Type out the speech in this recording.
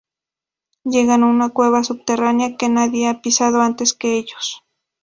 Llegan a una cueva subterránea que nadie ha pisado antes que ellos.